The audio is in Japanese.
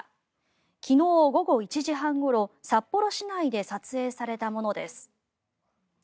昨日午後１時半ごろ札幌市内で撮影されたものです。